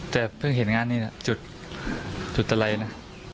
แต่เพิ่งเห็นงานนี้นะจุดตะไรนะ